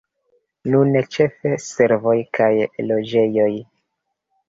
Nune ĉefe servoj kaj loĝejoj.